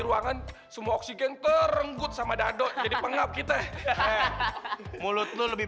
ruangan semua oksigen terenggut sama dadok jadi pengap kita mulut lu lebih